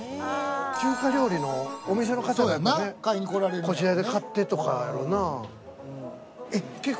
中華料理のお店の方もこちらで買ってとかやろうな。